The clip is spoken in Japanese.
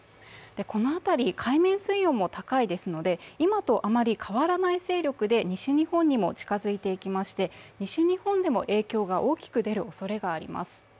この辺り海面水温も高いですので、今とあまり変わらない勢力で西日本にも近づいていきまして、西日本でも影響が大きく出るおそれがあります。